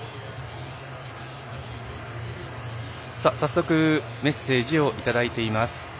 早速メッセージをいただいています。